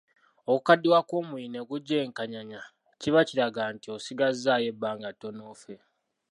Okukaddiwa kw’omubiri ne gujja enkanyanya kiba kiraga nti osigazzaayo ebbanga ttono ofe.